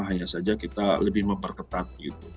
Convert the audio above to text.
hanya saja kita lebih memperketat